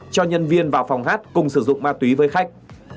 cho nhân viên vào phòng hát cùng sử dụng ma túy với khách